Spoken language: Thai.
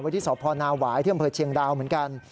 วัยที่สนาววายเที่ยวเผลอเชียงดาวเหมือนกัน